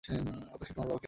অতসী, তোমার বাবা কি আছেন?